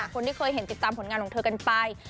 คนที่เคยเห็นติดตามผลงานของเธอกันไป